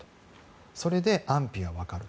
それで安否が分かる。